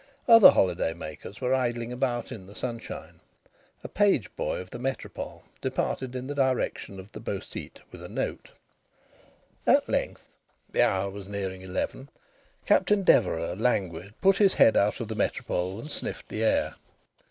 Other holiday makers were idling about in the sunshine. A page boy of the Métropole departed in the direction of the Beau Site with a note. At length the hour was nearing eleven Captain Deverax, languid, put his head out of the Métropole and sniffed the air.